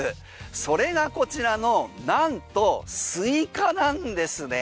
それがこちらのなんとスイカなんですね。